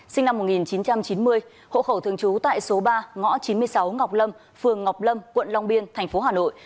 sinh năm một nghìn chín trăm chín mươi hộ khẩu thường trú tại số ba ngõ chín mươi sáu ngọc lâm phường ngọc lâm quận long biên thành phố hà nội